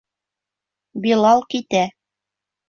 Билал китә.